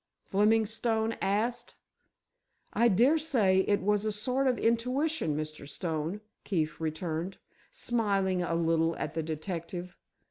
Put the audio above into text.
Fleming Stone asked. "I daresay it was a sort of intuition, Mr. Stone," Keefe returned, smiling a little at the detective.